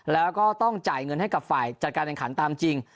แล้วก็ต้องจ่ายเงินให้กับฝ่ายจัดการแข่งขันตามจริง